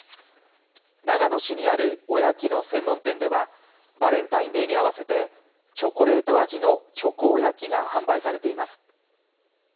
長野市にあるおやきの専門店ではバレンタインデーに合わせてチョコレート味のちょこおやきが販売されています。